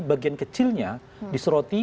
bagian kecilnya diseroti